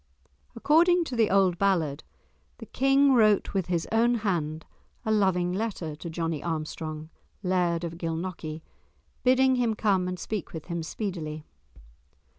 According to the old ballad the King wrote with his own hand a loving letter to Johnie Armstrong, Laird of Gilnockie, bidding him come and speak with him speedily.